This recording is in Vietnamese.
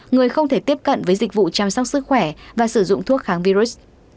người không thể tiếp cận với dịch vụ chăm sóc sức khỏe và sử dụng thuốc kháng virus